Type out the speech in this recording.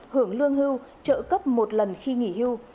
hưởng lương hưu trợ cấp một lần khi nghỉ hưu